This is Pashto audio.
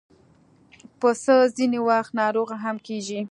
پسه ځینې وخت ناروغه هم کېږي.